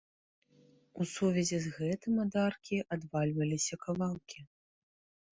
У сувязі з гэтым ад аркі адвальваліся кавалкі.